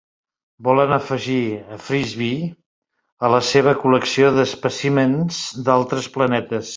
Volen afegir a Frisby a la seva col·lecció d'espècimens d'altres planetes.